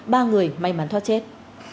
ba người may mắn thoát chết